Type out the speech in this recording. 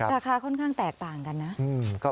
ราคาค่อนข้างแตกต่างกันนะ